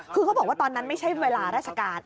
คือเขาบอกว่าตอนนั้นไม่ใช่เวลาราชการ